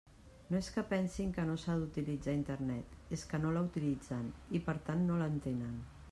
No és que pensin que no s'ha d'utilitzar Internet, és que no la utilitzen i, per tant, no l'entenen.